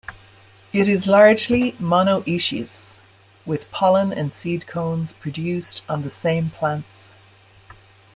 It is largely monoecious with pollen and seed cones produced on the same plants.